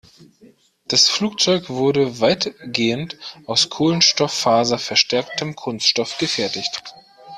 Das Flugzeug wurde weitgehend aus kohlenstofffaserverstärktem Kunststoff gefertigt.